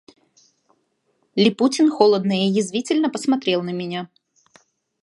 Липутин холодно и язвительно посмотрел на меня.